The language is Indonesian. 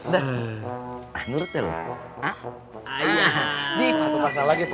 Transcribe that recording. dan nurut deh lo